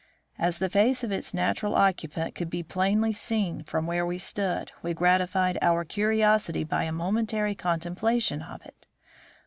As the face of its natural occupant could be plainly seen from where we stood, we gratified our curiosity by a momentary contemplation of it.